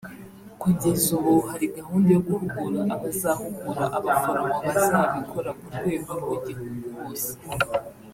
Kugeza ubu hari gahunda yo guhugura abazahugura abaforomo bazabikora ku rwego rw’igihugu hose